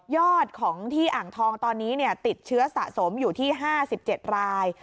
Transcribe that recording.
อดของที่อ่างทองตอนนี้ติดเชื้อสะสมอยู่ที่๕๗ราย